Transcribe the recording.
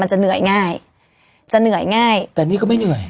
จะเหนื่อยง่ายจะเหนื่อยง่ายแต่นี่ก็ไม่เหนื่อย